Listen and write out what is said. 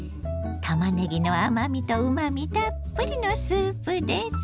たまねぎの甘みとうまみたっぷりのスープです。